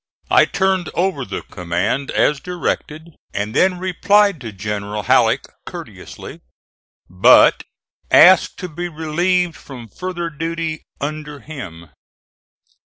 I turned over the command as directed and then replied to General Halleck courteously, but asked to be relieved from further duty under him.